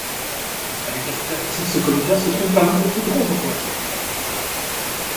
Avec la superficie de ce comitat se trouve parmi les plus grands en Croatie.